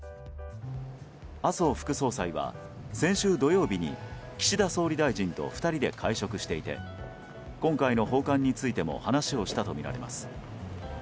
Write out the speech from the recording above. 麻生副総裁は先週土曜日に岸田総理大臣と２人で会食していて今回の訪韓についても話をしたとみられます。